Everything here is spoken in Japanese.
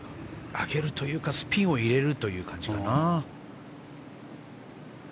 上げるというかスピンを入れる感じかな。